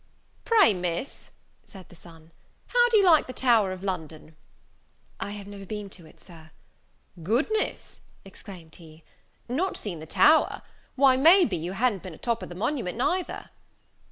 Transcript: "Pray, Miss," said the son, "how do you like the Tower of London?" "I have never been to it, Sir." "Goodness!" exclaimed he, "not seen the Tower! why, may be, you ha'n't been o' top of the Monument, neither?"